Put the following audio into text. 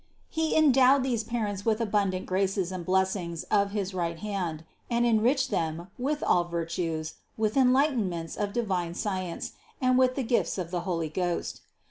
210. He endowed these parents with abundant graces and blessings of his right hand, and enriched them with all virtues, with enlightenments of divine science and with the gifts of the Holy Ghost.